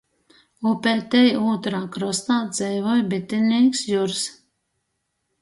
Upeitei ūtrā krostā dzeivoj bitinīks Jurs.